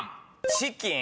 チキン？